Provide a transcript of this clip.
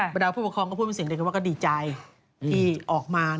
พระเจ้าผู้ประคองก็พูดสังเกตว่าก็ดีใจที่ออกมา